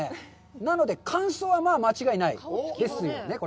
なので、完走は、まあ、間違いないですよね？